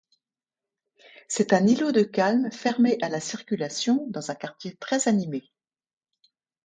C'est un îlot de calme, fermé à la circulation dans un quartier très animé.